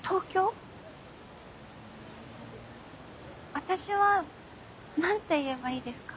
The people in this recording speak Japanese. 私は何て言えばいいですか？